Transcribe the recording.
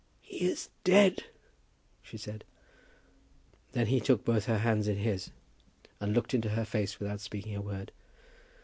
"He is dead," she said. Then he took both her hands in his and looked into her face without speaking a word.